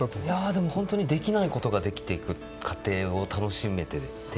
でも本当にできないことができていく過程を楽しめていて。